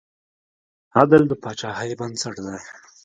عدل د پاچاهۍ بنسټ دی.